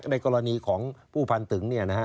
ในกรณีของผู้พันตึง